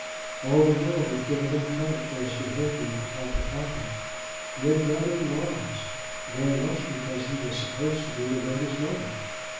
All the world had given him credit for his behaviour at the Kappa kappa. He had gathered laurels, very much because he was supposed to be the lady's lover.